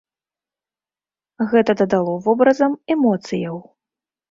Гэта дадало вобразам эмоцыяў.